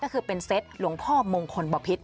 ก็คือเป็นเซ็ตหลวงพ่อมงคลบพิษ